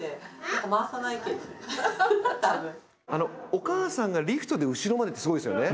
お母さんがリフトで後ろまでってすごいですよね。